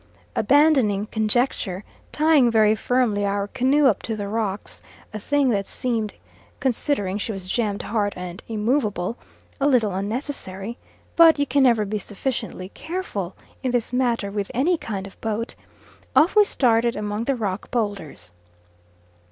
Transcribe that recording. Abandoning conjecture; tying very firmly our canoe up to the rocks, a thing that seemed, considering she was jammed hard and immovable, a little unnecessary but you can never be sufficiently careful in this matter with any kind of boat off we started among the rock boulders.